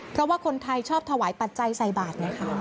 เพราะว่าคนไทยชอบถวายปัจจัยใส่บาทไงคะ